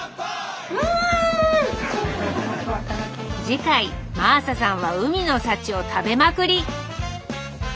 次回真麻さんは海の幸を食べまくり。